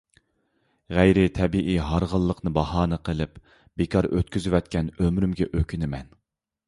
غەيرىي تەبىئىي «ھارغىنلىق »نى باھانە قىلىپ بىكار ئۆتكۈزۈۋەتكەن ئۆمرۈمگە ئۆكۈنىمەن.